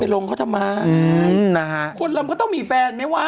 ไปลงเขาจะมาคนลำก็ต้องมีแฟนไหมวะ